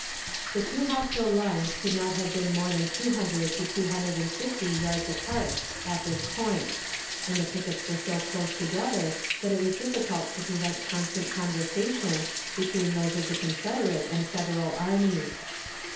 The two hostile lines could not have been more than two hundred to two hundred and fifty yards apart at this point; and the pickets were so close together that it was difficult to prevent constant conversation between those of the Confederate and Federal armies.